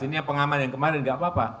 ini yang pengaman yang kemarin gak apa apa